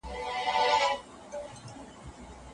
خپل وړتیاوې د کړنو له لارې څرګند کړئ.